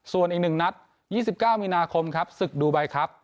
ส่วนอีก๑นัด๒๙มีนาคมครับศึกดูไบครับ